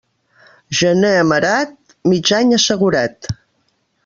Gener amerat, mig any assegurat.